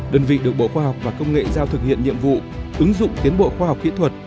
đơn vị được bộ khoa học và công nghệ giao thực hiện nhiệm vụ ứng dụng tiến bộ khoa học kỹ thuật